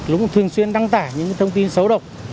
luôn thường xuyên đăng tả những thông tin xấu độc